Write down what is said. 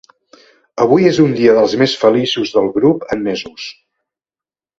Avui és un dia dels més feliços del grup en mesos.